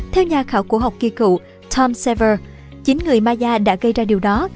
theo nhà khảo cổ học kỳ cựu tom sever chín người maya đã gây ra điều đó